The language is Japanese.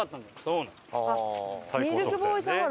そうなの！